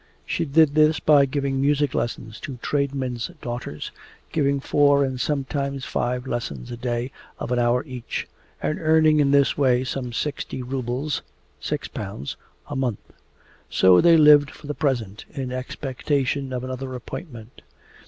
She did this by giving music lessons to tradesmen's daughters, giving four and sometimes five lessons a day of an hour each, and earning in this way some sixty rubles (6 pounds) a month. So they lived for the present, in expectation of another appointment.